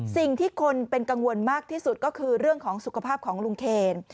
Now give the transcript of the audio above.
สิ่งที่คนเป็นกังวลมากที่สุดก็คือเรื่องของสุขภาพของลุงเคน